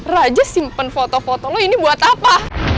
raja simpen foto fotoloh ini buat apa